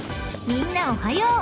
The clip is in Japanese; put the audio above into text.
［みんなおはよう］